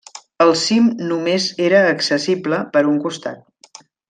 El cim només era accessible per un costat.